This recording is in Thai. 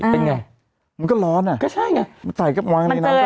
เป็นไงมันก็ร้อนอ่ะก็ใช่ไงมันใส่กับวางในน้ำก็ร้อน